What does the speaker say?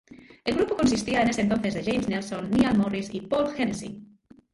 El grupo consistía en ese entonces de James Nelson, Niall Morris y Paul Hennessey.